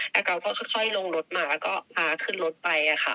แล้วเขาก็ค่อยลงรถมาก็พาขึ้นรถไปค่ะ